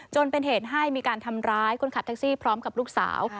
จนเป็นเหตุให้มีการทำร้ายคนขับแท็กซี่พร้อมกับลูกสาว